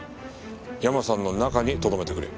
ヤマさんの中にとどめてくれ。